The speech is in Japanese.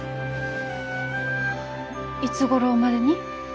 いつごろまでに？